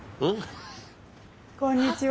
こんにちは。